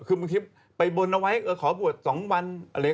คือมึงคิดว่าไปบวชเอาไว้ขอบวช๒วัน